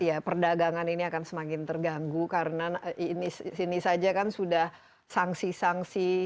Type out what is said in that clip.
nah perdagangan ini akan semakin terganggu karena ini sini saja kan sudah sangsi sangsi